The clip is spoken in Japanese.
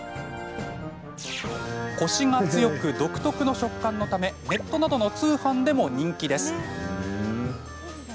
コシが強く独特の食感のためネットなどの通販でも人気です。